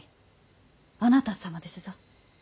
あなた様ですぞ。